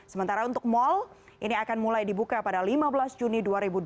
sementara untuk mal ini akan mulai dibuka pada lima belas juni dua ribu dua puluh